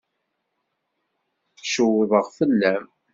Cewḍeɣ fell-am.